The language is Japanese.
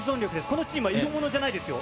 このチームはいろものじゃないですよ。